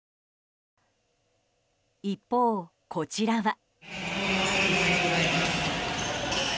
一方、こちらは。